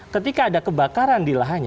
ketika ada kebakaran di lahannya